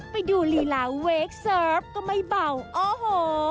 ไปดูลีลาเวคเซิร์ฟก็ไม่เบาโอ้โห